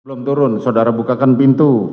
belum turun saudara bukakan pintu